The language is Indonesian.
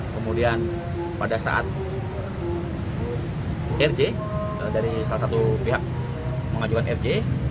kemudian pada saat rj dari salah satu pihak mengajukan rj